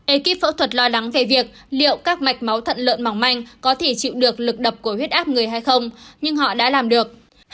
ekip phẫu thuật lo lắng về việc liệu các mạch máu thận lợn mỏng manh có thể chịu được lực đập của huyết áp người hay không nhưng họ đã làm được